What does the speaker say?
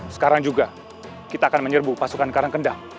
sekarang juga kita akan menyerbu pasukan karangkendang